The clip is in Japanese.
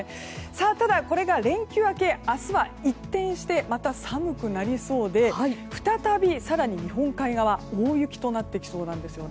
ただ、これが連休明け、明日は一転してまた寒くなりそうで再び更に日本海側大雪となってきそうなんです。